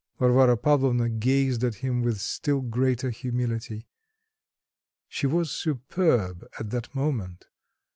Varvara Pavlovna gazed at him with still greater humility. She was superb at that moment.